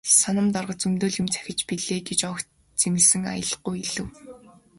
"Соном дарга зөндөө л юм захиж байна билээ" гэж огт зэмлэсэн аялгагүй хэлэв.